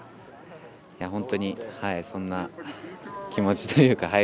本当に、そんな気持ちというか。